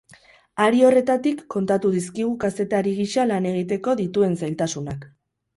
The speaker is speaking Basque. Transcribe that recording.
Hari horretatik kontatu dizkigu kazetari gisa lan egiteko dituen zailtasunak.